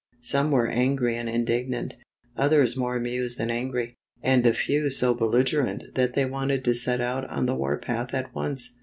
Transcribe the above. Some were angry and indignant; others more amused than angry, and a few so belligerent that they wanted to set out on the war path at once.